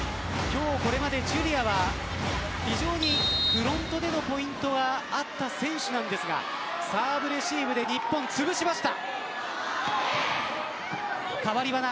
ここまでジュリアはフロントでのポイントがあった選手なんですがサーブレシーブで日本、潰しました。